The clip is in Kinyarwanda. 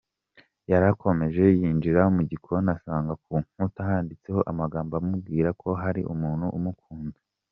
Yarakomeje yinjira mu gikoni asanga ku nkuta handitseho amagambo amubwira ko hari umuntu umukunda.